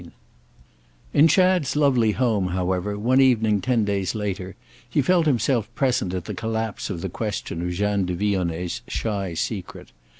II In Chad's lovely home, however, one evening ten days later, he felt himself present at the collapse of the question of Jeanne de Vionnet's shy secret.